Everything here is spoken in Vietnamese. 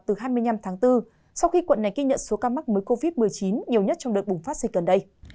từ hai mươi năm tháng bốn sau khi quận này ghi nhận số ca mắc mới covid một mươi chín nhiều nhất trong đợt bùng phát dịch gần đây